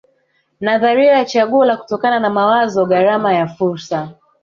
Nadharia ya chaguo la kutokana na mawazo gharama ya fursa